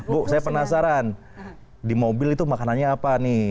bu saya penasaran di mobil itu makanannya apa nih